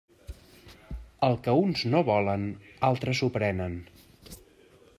El que uns no volen, altres ho prenen.